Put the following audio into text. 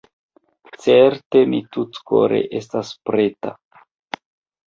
Certe mi tutkore estas preta.